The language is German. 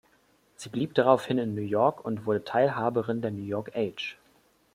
Sie blieb daraufhin in New York und wurde Teilhaberin der "New York Age".